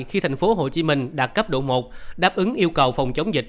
khi tp hcm đạt cấp độ một đáp ứng yêu cầu phòng chống dịch